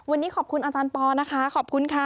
วันนี้ขอบคุณอาจารย์ปอนะคะขอบคุณค่ะ